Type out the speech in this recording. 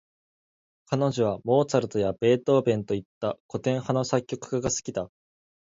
彼女はモーツァルトやベートーヴェンといった、古典派の作曲家が好きだ。